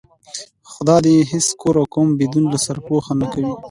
خدا دې هېڅ کور او قوم بدون له سرپوښه نه کوي.